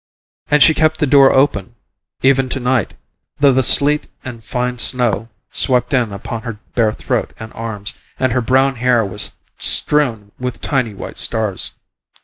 And she kept the door open even to night, though the sleet and fine snow swept in upon her bare throat and arms, and her brown hair was strewn with tiny white stars.